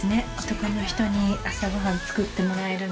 男の人に朝ご飯作ってもらえるなんて。